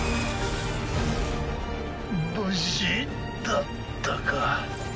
無事だったか？